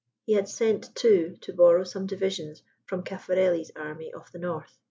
He had sent, too, to borrow some divisions from Caffarelli's Army of the North.